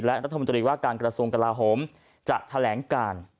และรัฐมนตรีว่าการกระทรวงกลาโหมจะแถลงการ